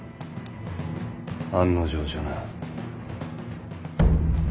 案の定じゃな。